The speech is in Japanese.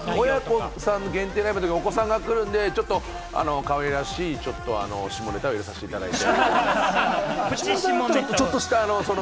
親子さん限定のライブではお子さんが来るんで、ちょっとかわいらしい下ネタを入れさせていただいて。